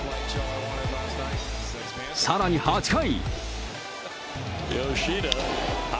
さらに８回。